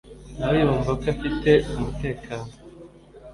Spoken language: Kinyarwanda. nawe yumva ko afite umutekano.